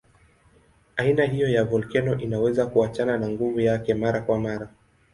Aina hiyo ya volkeno inaweza kuachana na nguvu yake mara kwa mara.